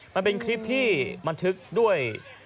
มันเป็นคลิปที่บันทึกด้วย